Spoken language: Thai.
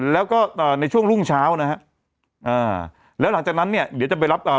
แล้วก็อ่าในช่วงรุ่งเช้านะฮะอ่าก็หลังจากนั้นเนี้ยเดี๋ยวจะไปแล้ว